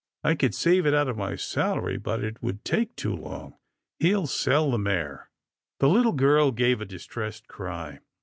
I could save it out of my salary, but it would take too long. He'll sell the mare." The little girl gave a distressed cry.